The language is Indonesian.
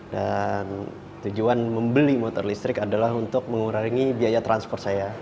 dan tujuan membeli motor listrik adalah untuk mengurangi biaya transport saya